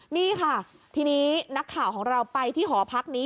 นี่ค่ะทีนี้นักข่าวของเราไปที่หอพักนี้